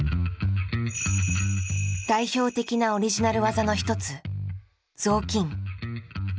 代表的なオリジナル技の一つ「雑巾」。